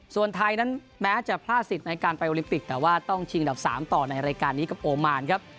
ส่วนไทยนั้นแม้จะพลาดสิทธิ์ในการไปโอลิมปิกแต่ว่าต้องชิงอันดับ๓ต่อในรายการนี้กับโอมานครับ